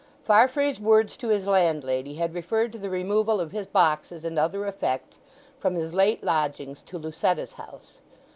Farfrae's words to his landlady had referred to the removal of his boxes and other effects from his late lodgings to Lucetta's house.